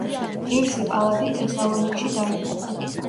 ღირსი პალადი თესალონიკში დაიბადა.